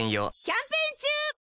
キャンペーン中！